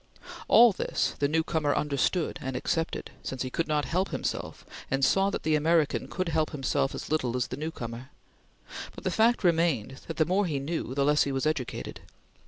All this, the newcomer understood and accepted, since he could not help himself and saw that the American could help himself as little as the newcomer; but the fact remained that the more he knew, the less he was educated.